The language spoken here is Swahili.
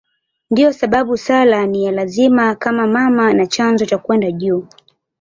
Ndiyo sababu sala ni ya lazima kama mama na chanzo cha kwenda juu.